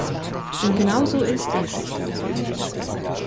Denn genauso ist es!